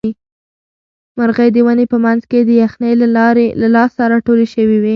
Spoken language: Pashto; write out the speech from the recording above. مرغۍ د ونې په منځ کې د یخنۍ له لاسه راټولې شوې وې.